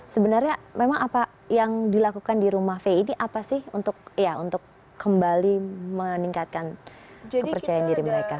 sebenarnya memang apa yang dilakukan di rumah fay ini apa sih untuk kembali meningkatkan kepercayaan diri mereka